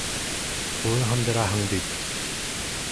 Ҡулын һындыраһың бит!